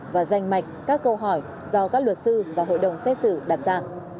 và danh mạch các câu hỏi do các luật sư và hội đồng xét xử đặt ra